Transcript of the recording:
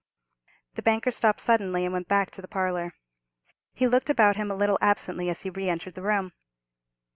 The banker stopped suddenly, and went back to the parlour. He looked about him a little absently as he re entered the room.